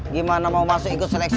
gimana mau masuk ikut seleksi